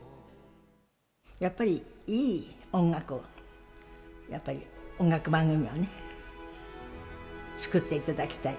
やっぱり、いい音楽をやっぱり、音楽番組をね作っていただきたい。